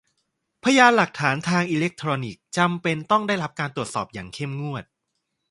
พยานหลักฐานทางอิเล็กทรอนิกส์ จำเป็นต้องได้รับการตรวจสอบอย่างเข้มงวด